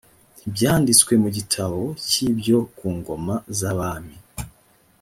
ntibyanditswe mu gitabo cy ibyo ku ngoma z abami